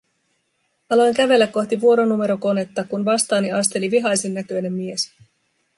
Aloin kävellä kohti vuoronumerokonetta, kun vastaani asteli vihaisennäköinen mies.